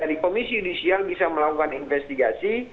dari komisi judisial bisa melakukan investigasi